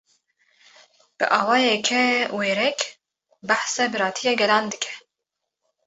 Bi awayeke wêrek, behsa biratiya gelan dike